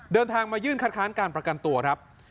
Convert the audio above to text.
เดินทางมายื่นคัดค้านการประกันตัวครับ